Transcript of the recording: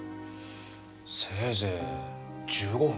せいぜい１５分。